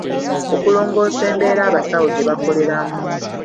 Okulongoosa embeera abasawo gye bakoleramu.